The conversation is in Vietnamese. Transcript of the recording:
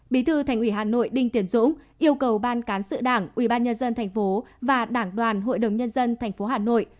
bí thư thành ủy hà nội đinh tiến dũng yêu cầu ban cán sự đảng ubnd tp và đảng đoàn hội đồng nhân dân tp hà nội